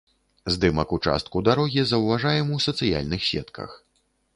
Здымак участку дарогі заўважаем у сацыяльных сетках.